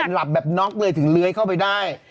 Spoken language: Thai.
หลับแบบน็อกเลยถึงเลื้อยเข้าไปได้